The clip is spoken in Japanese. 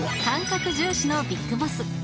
感覚重視のビッグボス。